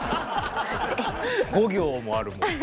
５行もあるもん。